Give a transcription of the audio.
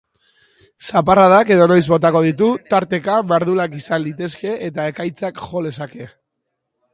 Zaparradak edonoiz botako ditu, tarteka mardulak izan litezke eta ekaitzak jo lezake.